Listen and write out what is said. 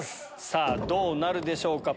さぁどうなるでしょうか。